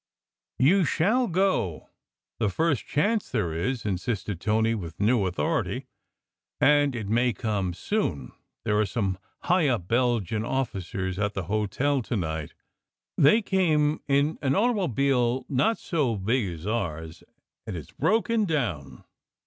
"You shall go, the first chance there is," insisted Tony, with new authority. "And it may come soon. There are some high up Belgian officers at the hotel to night. They came in an automobile not so big as ours, and it s broken down.